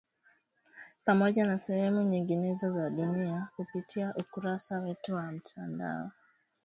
Pamoja na sehemu nyingine za dunia kupitia ukurasa wetu wa mtandao.